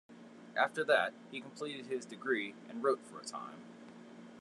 After that he completed his degree, and wrote for a time.